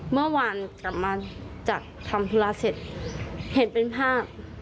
เมื่อวานกลับมาจากทำธุระเสร็จเห็นเป็นภาพ